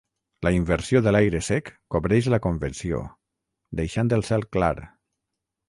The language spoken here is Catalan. La inversió de l'aire sec cobreix la convecció, deixant el cel clar.